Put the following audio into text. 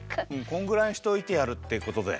こんぐらいにしておいてやるってことで。